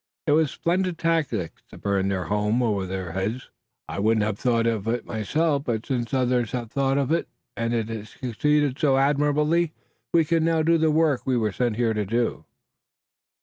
"It was splendid tactics to burn their home over their heads. I wouldn't have thought of it myself, but since others have thought of it, and, it has succeeded so admirably, we can now do the work we were sent here to do."